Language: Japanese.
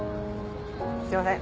すいません。